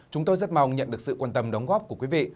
chúng tôi rất mong nhận được sự quan tâm đóng góp của quý vị